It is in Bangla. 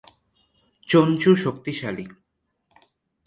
চঞ্চু শক্তিশালী।